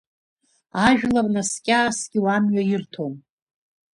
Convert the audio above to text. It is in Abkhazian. Ажәлар наскьа-ааскьо амҩа ирҭон.